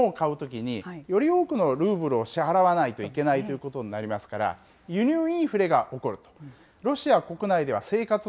そうすると、ルーブルで物を買うときに、より多くのルーブルを支払わないといけないということになりますから、輸入インフレが起こると。